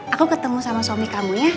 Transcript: aku ketemu sama suami kamu ya